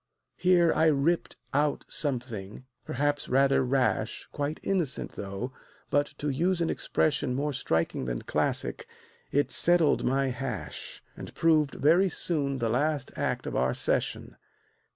Here I ripped out something, perhaps rather rash, Quite innocent, though; but to use an expression More striking than classic, it "settled my hash," And proved very soon the last act of our session.